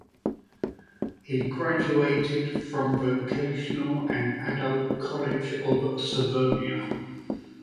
He graduated from Vocational and Adult College of Savonia.